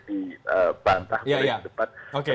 dibantah boleh di depan